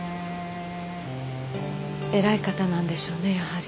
偉い方なんでしょうねやはり。